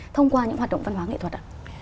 thông qua những hoạt động văn hóa nghệ thuật ạ